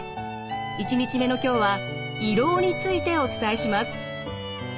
１日目の今日は胃ろうについてお伝えします。